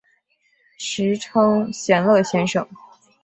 时称闲乐先生。